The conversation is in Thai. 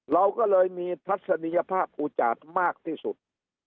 เราก็เลยมีทัศนียภาพอุจาดมากที่สุด